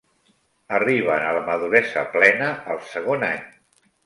Arriben a la maduresa plena al segon any.